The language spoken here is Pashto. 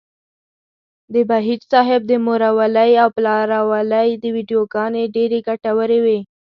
د بهيج صاحب د مورولۍ او پلارولۍ ويډيوګانې ډېرې ګټورې وې.